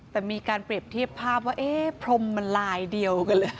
แต่มีการเปรียบเทียบภาพว่าเอ๊ะพรมมันลายเดียวกันเลย